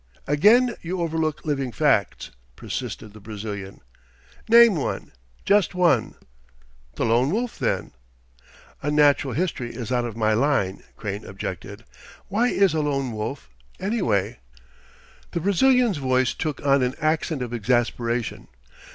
"Again you overlook living facts," persisted the Brazilian. "Name one just one." "The Lone Wolf, then." "Unnatural history is out of my line," Crane objected. "Why is a lone wolf, anyway?" The Brazilian's voice took on an accent of exasperation.